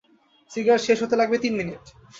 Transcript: Cigarette শেষ হতে লাগবে তিন মিনিট।